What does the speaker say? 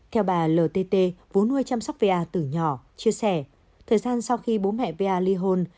theo bà ltt vua nuôi chăm sóc va từ nhỏ chia sẻ thời gian sau khi bố mẹ va li hôn